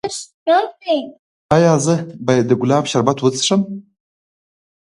ایا زه باید د ګلاب شربت وڅښم؟